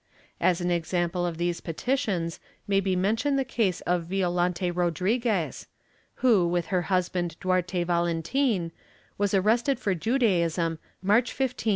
As an example of these petitions may be mentioned the case of Violante Rodriguez who, with her husband Duarte Valentin, was arrested for Judaism March 15, 1664.